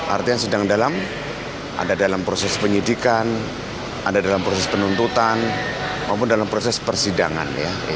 artinya sedang dalam ada dalam proses penyidikan ada dalam proses penuntutan maupun dalam proses persidangan